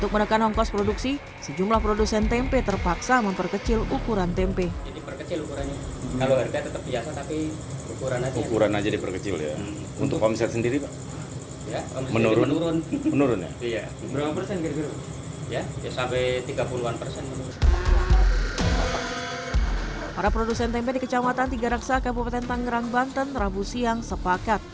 para produsen tempe di kecamatan tiga raksa kabupaten tangerang banten rabu siang sepakat